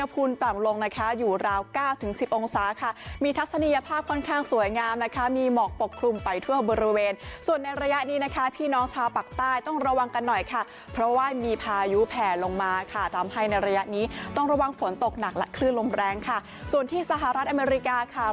เพราะว่ามีพายุแผนลงมาค่ะทำให้ในระยะนี้ต้องระวังฝนตกหนักและคลื่นลมแรงค่ะส่วนที่สหรัฐอเมริกาค่ะ